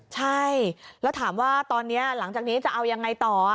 ใช่แล้วถามว่าตอนนี้หลังจากนี้จะเอายังไงต่อ